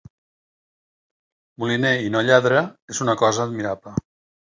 Moliner i no lladre és una cosa admirable.